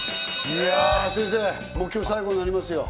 先生、今日最後になりますよ！